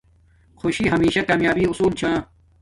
خوشی ہمشہ کامیابی آصول ثھا